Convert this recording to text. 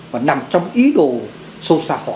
và nằm trong ý đồ sâu xa họ